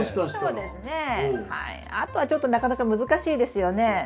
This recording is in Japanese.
あとはちょっとなかなか難しいですよね。